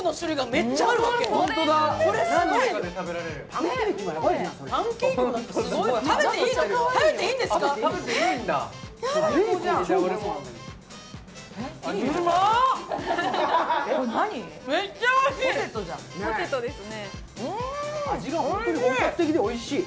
めっちゃおいしい！